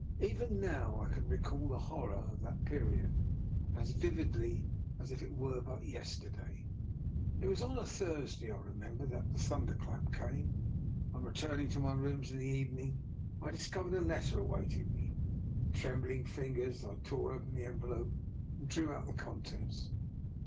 Even now I can recall the horror of that period as viv idly as if it were but yesterday. It was on a Thursday, I remember, that the thunder clap came. On returning to my rooms in the evening I discovered a letter awaiting me. With trembling fingers I tore open the envelope and drew out the contents.